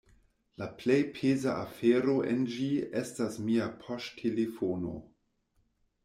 La plej peza afero en ĝi estas mia poŝtelefono.